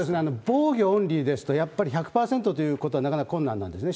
防御オンリーですと、やっぱり１００％ということはなかなか困難なんですね。